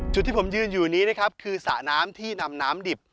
จุดที่ผมยืนอยู่นี้นะครับคือสระน้ำที่นำน้ำดิบ